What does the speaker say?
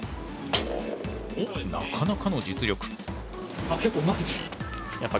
おっなかなかの実力。